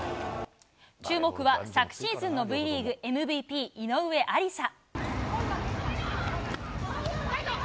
注目は昨シーズンのＶリーグＭＶＰ、井上ありさ。